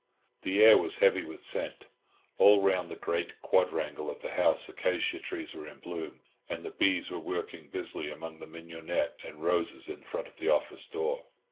The air was heavy with scent. All round the great quadrangle of the house acacia trees were in bloom, and the bees were working busily among the mignonette and roses in front of the office door.